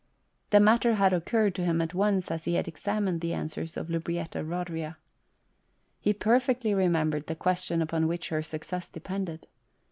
The matter had occurred to him at once as he had examined the answers of Lubrietta Rodria. He perfectly remembered the question upon which her success depended.